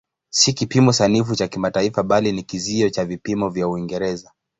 Si kipimo sanifu cha kimataifa bali ni kizio cha vipimo vya Uingereza.